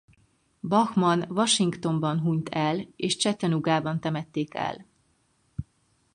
Bachman Washingtonban hunyt el és Chattanoogában temették el.